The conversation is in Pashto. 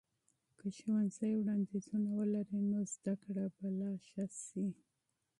که ښوونځي وړاندیزونه ولري، نو زده کړه به لا ښه سي.